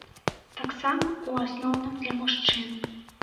Таксама ў асноўным для мужчын.